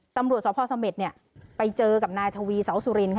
ตำรวจสาวพ่อสะเม็ดไปเจอกับนายทวีเสาสุรินค่ะ